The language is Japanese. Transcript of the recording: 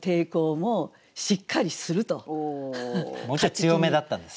もうちょい強めだったんですね。